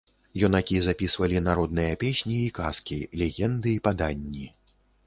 Юнакі запісвалі народныя песні і казкі, легенды і паданні.